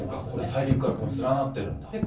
これ大陸から連なってるんだ。